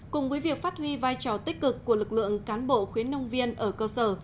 cùng với việc phát huy vai trò tích cực của lực lượng cán bộ khuyến nông viên ở cơ sở